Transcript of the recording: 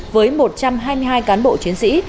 với một trăm hai mươi hai cán bộ chiến sĩ